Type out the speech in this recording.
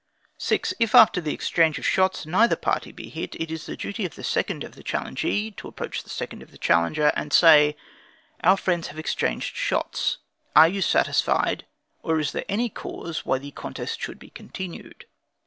6. If after an exchange of shots, neither party be hit, it is the duty of the second of the challengee, to approach the second of the challenger and say: "Our friends have exchanged shots, are you satisfied, or is there any cause why the contest should be continued?"